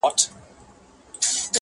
شپه د مستۍ ده له خمار سره مي نه لګیږي،